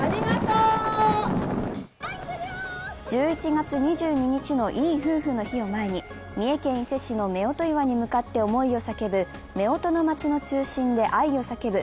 １１月２２日のいい夫婦の日を前に、三重県伊勢市の夫婦岩に向かって思いを叫ぶ「夫婦の町の中心で愛を叫ぶ」